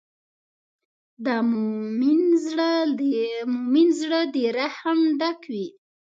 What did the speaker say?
د مؤمن زړۀ د رحم ډک وي.